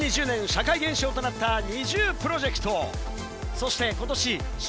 ２０２０年、社会現象となったＮｉｚｉＰｒｏｊｅｃｔ。